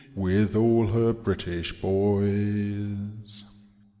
With all her British boys.